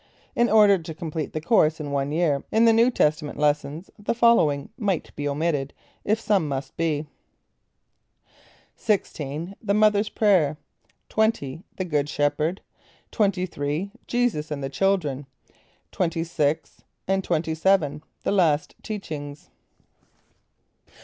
In order to complete the course in one year in the New Testament lessons, the following might be omitted, if some must be. XVI The Mothers Prayer; XX The Good Shepherd; XXIII Jesus and the Children; XXVI, XXVII The Last Teachings.